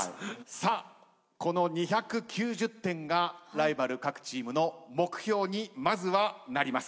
さあこの２９０点がライバル各チームの目標にまずはなります。